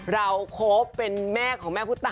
เราครบเป็นแม่ของแม่พุตาล